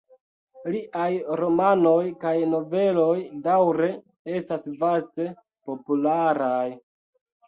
Liaj romanoj kaj noveloj daŭre estas vaste popularaj.